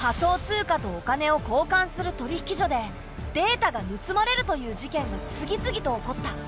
仮想通貨とお金を交換する取引所でデータがぬすまれるという事件が次々と起こった。